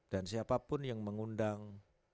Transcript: dan siapapun yang mengundang